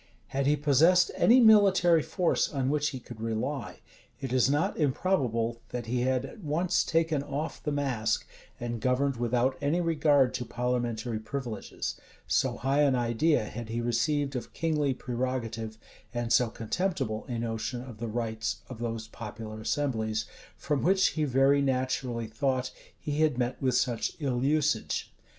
Had he possessed any military force on which he could rely, it is not improbable, that he had at once taken off the mask, and governed without any regard to parliamentary privileges: so high an idea had he received of kingly prerogative, and so contemptible a notion of the rights of those popular assemblies, from which, he very naturally thought, he had met with such ill usage.